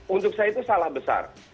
untuk saya itu salah besar